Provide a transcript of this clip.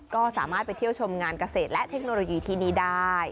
ก็สามารถไปเที่ยวชมงานเกษตรและเทคโนโลยีที่นี่ได้